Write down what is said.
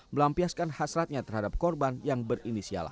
melampiaskan hasratnya terhadap korban yang berinisial a